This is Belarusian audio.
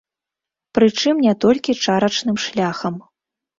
Прычым не толькі чарачным шляхам.